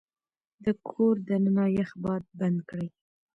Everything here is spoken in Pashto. د کور دننه يخ باد بند کړئ.